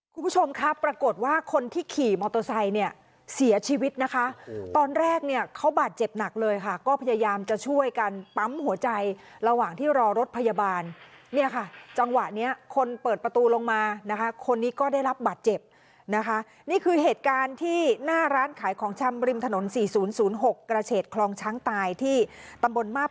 คุณผู้ชมครับปรากฏว่าคนที่ขี่มอเตอร์ไซค์เนี่ยเสียชีวิตนะคะตอนแรกเนี่ยเขาบาดเจ็บหนักเลยค่ะก็พยายามจะช่วยกันปั๊มหัวใจระหว่างที่รอรถพยาบาลเนี่ยค่ะจังหวะเนี้ยคนเปิดประตูลงมานะคะคนนี้ก็ได้รับบาดเจ็บนะคะนี่คือเหตุการณ์ที่หน้าร้านขายของชำริมถนนสี่ศูนย์ศูนย์หกกระเฉดคลองช้างตายที่ตำบลมาบ